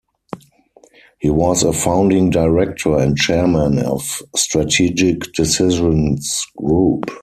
He was a founding Director and Chairman of Strategic Decisions Group.